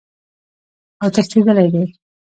اوتښتیدلی دي